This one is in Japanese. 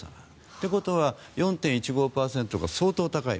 ということは４．１５％が相当高い。